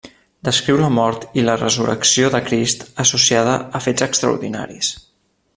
Descriu la mort i la resurrecció de Crist associada a fets extraordinaris.